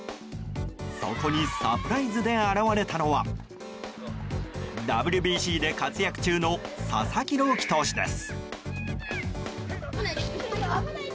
そこにサプライズで現れたのはＷＢＣで活躍中の佐々木朗希投手です。